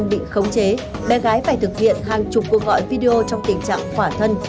trong thời gian bị khống chế bé gái phải thực hiện hàng chục cuộc gọi video trong tình trạng khỏa thân